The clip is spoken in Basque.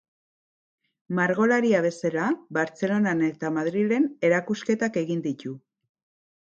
Margolaria bezala Bartzelonan eta Madrilen erakusketak egin ditu.